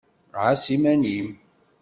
Ɛas iman-im!